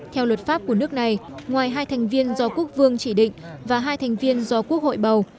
theo luật pháp của nước này ngoài hai thành viên do quốc vương chỉ định và hai thành viên do quốc hội bầu